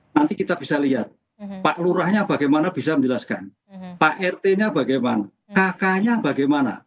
nanti kita bisa lihat pak lurahnya bagaimana bisa menjelaskan pak rt nya bagaimana kakaknya bagaimana